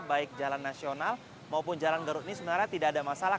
baik jalan nasional maupun jalan garut ini sebenarnya tidak ada masalah